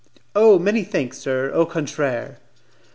"Oh, many thanks, sir, au contraire."